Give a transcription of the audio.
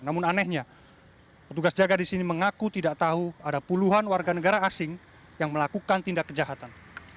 namun anehnya petugas jaga di sini mengaku tidak tahu ada puluhan warga negara asing yang melakukan tindak kejahatan